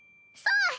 そう！